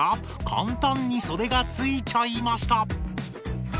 簡単にそでが付いちゃいました。